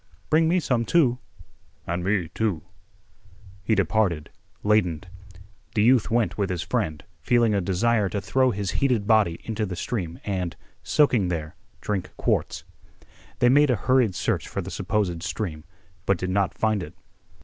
"Bring me some, too." "And me, too." He departed, ladened. The youth went with his friend, feeling a desire to throw his heated body into the stream and, soaking there, drink quarts. They made a hurried search for the supposed stream, but did not find it.